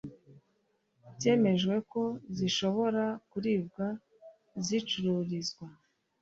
Byemejwe ko zishobora kuribwa zicururizwa